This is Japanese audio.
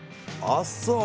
あっそう。